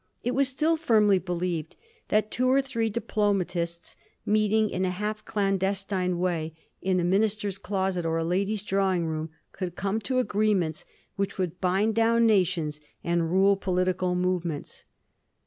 It was still firmly believed that two or three diplomatists, meeting in a half clandestine way in a minister's closet or a lady's drawing room, could come to agreements which would bind down nations and rule political move ments.